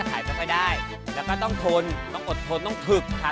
แล้วก็จะต้องต้น